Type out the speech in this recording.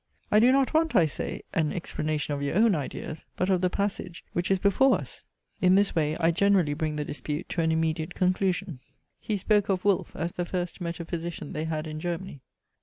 I do not want, I say, an explanation of your own ideas, but of the passage which is before us. In this way I generally bring the dispute to an immediate conclusion. He spoke of Wolfe as the first Metaphysician they had in Germany.